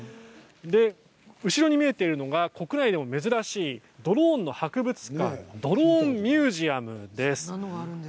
後ろに見えているのが国内でも珍しいドローンの博物館ドローンミュージアムです。